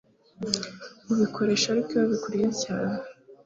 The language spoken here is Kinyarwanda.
ubikoresha Ariko iyo bikurya cyane